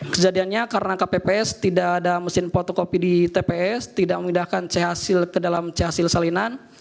kejadiannya karena kpps tidak ada mesin fotokopi di tps tidak memindahkan ke dalam cha hasil salinan